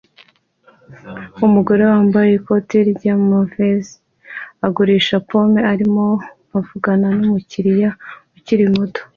Umugore wambaye ikoti rya mauve ugurisha pome arimo avugana numukiriya ukiri muto